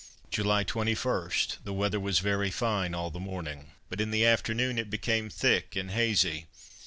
July 21, the weather was very fine all the morning, but in the afternoon it became thick and hazy.